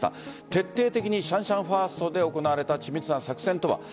徹底的にシャンシャンファーストで行われた緻密な作戦とは。